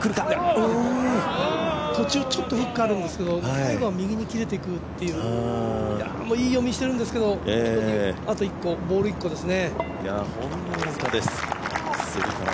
途中、ちょっといったんですけど最後は右に切れていくっていう、いい読みしてるんですけどあとボール１個ですね。